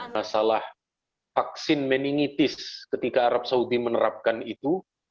masalah vaksin meningitis ketika arab saudi menerapkan itu